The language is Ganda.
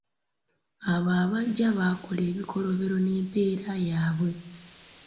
Abo abajja bakola ebikolobero n’empeera yaabwe